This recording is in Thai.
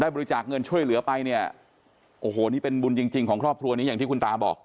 ได้บริจาคเงินช่วยเหลือไปนี่เป็นบุญจริงของครอบครัวนี้อย่างที่คุณตาบอก